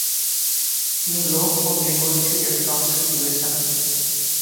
তিনি লোক ও নৃগোষ্ঠীদের সংস্কৃতি বেছে নেন।